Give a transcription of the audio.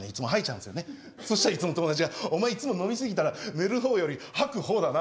そしたらいつも友達が「お前いつも飲み過ぎたら寝る方より吐く方だな」